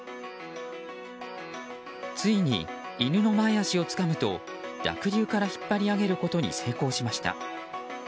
ついに犬の前足をつかむと濁流から引っ張り上げることに成功しました。